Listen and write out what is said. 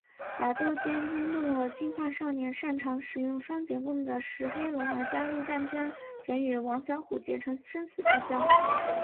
打斗间惊动了金发少年擅长使用双节棍的石黑龙而加入战圈且与王小虎结成生死之交。